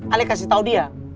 ala kasih tau dia